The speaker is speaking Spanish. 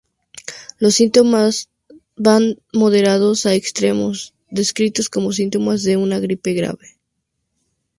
Los síntomas van de moderados a extremos, descritos como síntomas de una gripe grave.